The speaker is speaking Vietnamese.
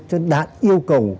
cho đạt yêu cầu